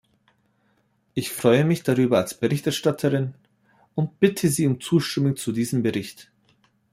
Ich freue mich darüber als Berichterstatterin und bitte Sie um Zustimmung zu diesem Bericht.